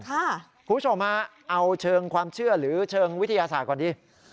คุณผู้ชมฮะเอาเชิงความเชื่อหรือเชิงวิทยาศาสตร์ก่อนดี